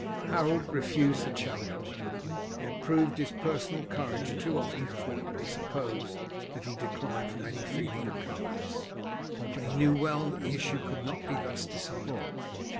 Harold refused the challenge. He had proved his personal courage too often for it to be supposed that he declined from any feeling of cowardice, but he knew well that the issue could not be thus decided.